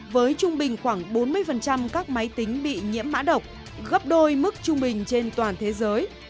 với trung bình khoảng bốn mươi các máy tính bị nhiễm mã độc gấp đôi mức trung bình trên toàn thế giới